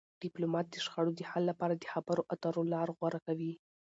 ډيپلومات د شخړو د حل لپاره د خبرو اترو لار غوره کوي.